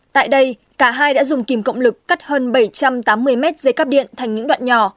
tại đây cả hai đã dùng kìm cộng lực cắt hơn bảy trăm tám mươi mét dây cắp điện thành những đoạn nhỏ